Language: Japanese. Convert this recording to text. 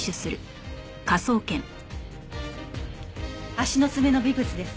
足の爪の微物です。